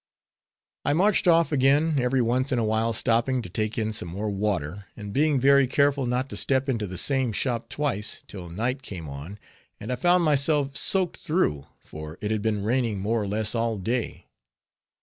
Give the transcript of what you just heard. I marched off again, every once in a while stopping to take in some more water, and being very careful not to step into the same shop twice, till night came on, and I found myself soaked through, for it had been raining more or less all day.